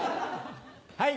はい。